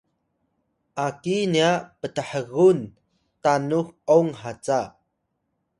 aki nya pthgun tanux ong haca